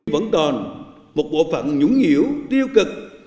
vẫn còn một bộ phận nhũng nhiễu tiêu cực